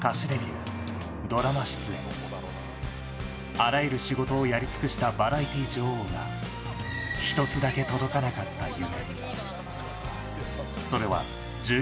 あらゆる仕事をやり尽くしたバラエティー女王が一つだけ届かなかった夢。